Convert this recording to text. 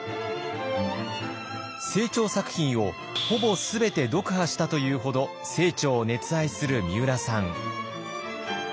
清張作品をほぼ全て読破したというほど清張を熱愛するみうらさん。